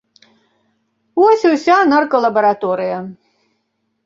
Вось і ўся наркалабараторыя.